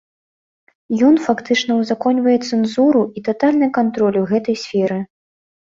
Ён фактычна ўзаконьвае цэнзуру і татальны кантроль у гэтай сферы.